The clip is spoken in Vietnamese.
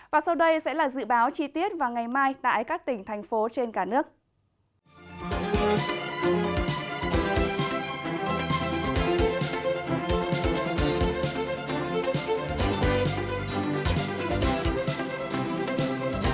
và sau đây sẽ là dự báo chi tiết vào ngày mai tại các tỉnh thành phố trên cả nước